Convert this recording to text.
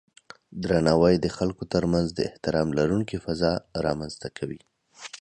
درناوی د خلکو ترمنځ د احترام لرونکی فضا رامنځته کوي.